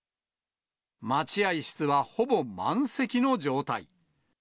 待合室はほぼ満席の状態。